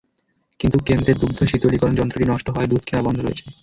কিন্তু কেন্দ্রের দুগ্ধ শীতলীকরণ যন্ত্রটি নষ্ট হওয়ায় দুধ কেনা বন্ধ রয়েছে।